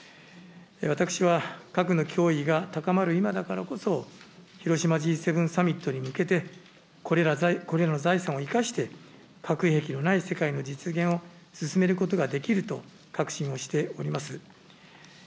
私は核の脅威が高まる今だからこそ、広島Ｇ７サミットに向けて、これらの財産を生かして、核兵器のない世界の実現を進めることができると確信をしております。